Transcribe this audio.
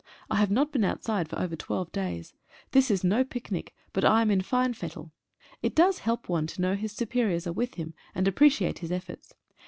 I have not been out side for over twelve days. This is no picnic, but I am in fine fettle. It does help one to know his superiors are with him, and appreciate his efforts.